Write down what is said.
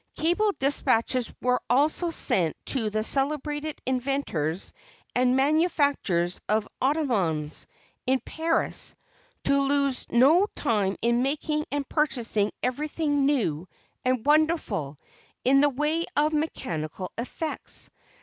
Cable dispatches were also sent to the celebrated inventors and manufacturers of automatons, in Paris, to lose no time in making and purchasing everything new and wonderful in the way of mechanical effects.